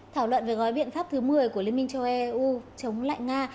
thảo luận về gói biện pháp thứ một mươi của liên minh châu âu eu chống lại nga